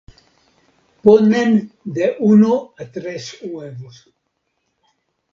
Ponen de uno a tres huevos.